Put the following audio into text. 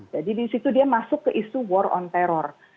jadi di situ dia masuk ke isu war on terror